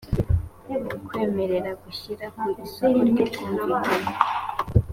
kwemerera gushyira ku isoko ry ubwumvikane